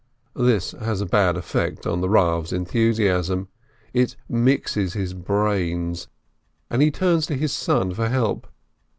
This has a bad effect on the Rav's enthus iasm, it "mixes his brains," and he turns to his son for help.